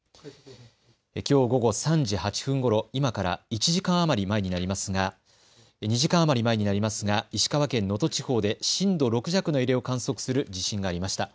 きょう午後３時８分ごろ、今から２時間余り前になりますが石川県能登地方で震度６弱の揺れを観測する地震がありました。